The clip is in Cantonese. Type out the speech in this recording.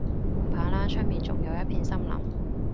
唔怕啦，出面仲有一片森林